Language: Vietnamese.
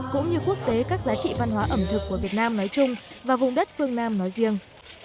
cũng như quốc tế các giá trị văn hóa ẩm thực của việt nam nói chung và vùng đất phương nam nói riêng